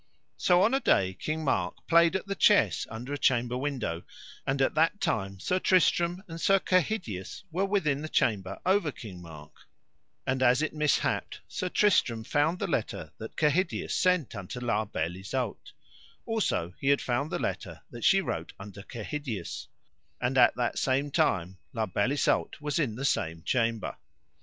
So on a day King Mark played at the chess under a chamber window; and at that time Sir Tristram and Sir Kehydius were within the chamber over King Mark, and as it mishapped Sir Tristram found the letter that Kehydius sent unto La Beale Isoud, also he had found the letter that she wrote unto Kehydius, and at that same time La Beale Isoud was in the same chamber.